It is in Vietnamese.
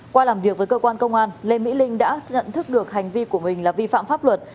qua làm việc với cơ quan công an lê mỹ linh đã nhận thức được hành vi của mình là vi phạm pháp luật